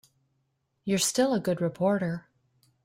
You're still a good reporter.